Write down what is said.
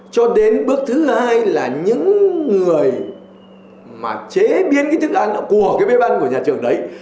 cho đến bước thứ hai là những người mà chế biến cái thức ăn của cái bếp ăn của nhà trường đấy